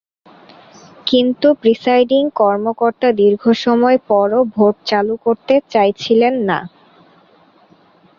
কিন্তু প্রিসাইডিং কর্মকর্তা দীর্ঘ সময় পরও ভোট চালু করতে চাইছিলেন না।